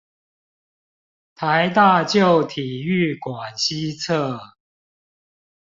臺大舊體育館西側